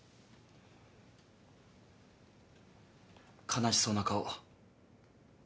悲しそうな顔。